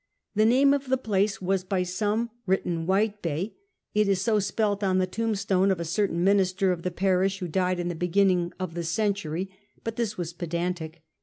The name of the place was by some written Whitebay ; it is so spelt on the tombstone of a certain minister of the parish who died in the beginning of the century ; but this was pedantic.